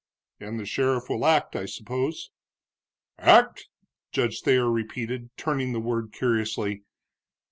"And the sheriff will act, I suppose?" "Act?" Judge Thayer repeated, turning the word curiously.